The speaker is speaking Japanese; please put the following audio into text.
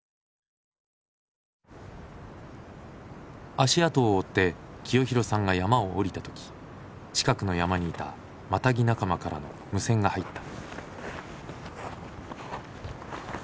足跡を追って清弘さんが山を下りた時近くの山にいたマタギ仲間からの無線が入った。